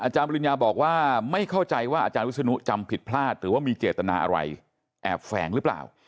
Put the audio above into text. จำผิดพลาดหรือว่ามีเจตนาอะไรแอบแฝงหรือเปล่า